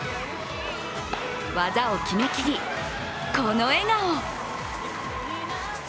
技を決めきりこの笑顔。